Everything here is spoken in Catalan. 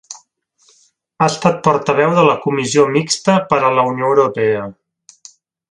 Ha estat portaveu de la Comissió Mixta per a la Unió Europea.